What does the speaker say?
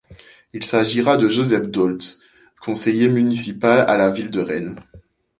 Il s'agira de Joseph Dault, conseiller municipal à la Ville de Rennes.